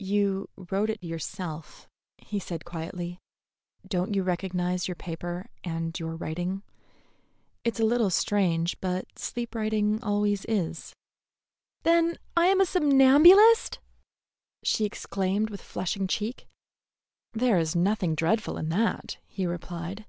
"You wrote it yourself," he said quietly. "Don't you recognize your paper and your writing? It's a little strange, but sleep writing always is." "Then I am a somnambulist!" she exclaimed, with flushing cheek. "There is nothing dreadful in that," he replied.